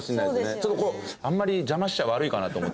ちょっとあんまり邪魔しちゃ悪いかなと思って。